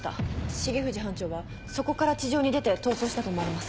重藤班長はそこから地上に出て逃走したと思われます。